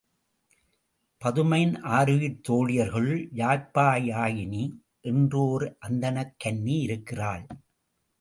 பதுமையின் ஆருயிர்த் தோழியர்களுள் யாப்பியாயினி என்று ஒர் அந்தணக் கன்னி இருக்கிறாள்.